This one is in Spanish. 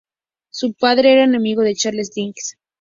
Su padre era amigo de Charles Dickens.